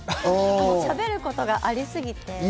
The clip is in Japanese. しゃべることがありすぎて。